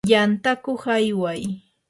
yantakuq ayway.